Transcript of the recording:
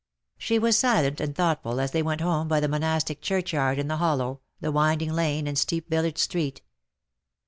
^^ She was silent and thoughtful as they went home by the monastic churchyard in the hollow, the winding lane, and steep village street.